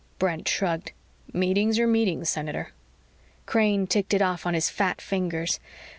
Brent shrugged. "Meetings are meetings, Senator." Crane ticked it off on his fat fingers.